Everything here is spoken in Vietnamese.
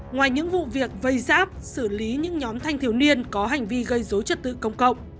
ngoài những vụ việc vây giáp xử lý những nhóm thanh thiếu niên có hành vi gây dối trật tự công cộng